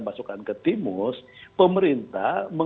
masukkan ke timus pemerintah